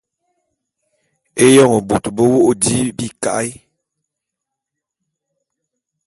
Éyoñ bôt be wô’ô di bika’e.